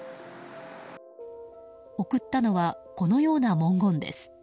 送ったのは、このような文言です。